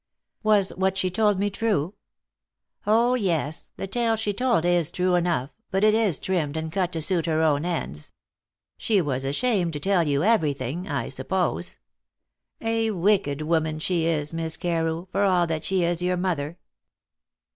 "Was what she told me true?" "Oh yes; the tale she told is true enough, but it is trimmed and cut to suit her own ends. She was ashamed to tell you everything, I suppose. A wicked woman she is, Miss Carew, for all that she is your mother.